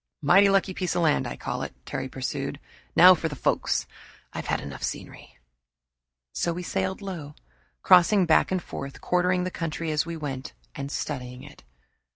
"Mighty lucky piece of land, I call it," Terry pursued. "Now for the folks I've had enough scenery." So we sailed low, crossing back and forth, quartering the country as we went, and studying it.